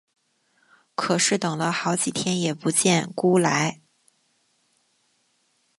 可是等了好几天也不见辜来。